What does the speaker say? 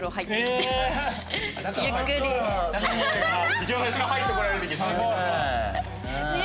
一番最初に入ってこられる時に。